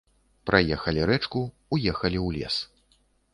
Праехалі рэчку, уехалі ў лес.